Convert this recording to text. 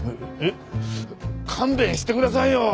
勘弁してくださいよ！